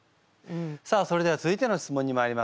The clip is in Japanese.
さあそれでは続いての質問にまいります。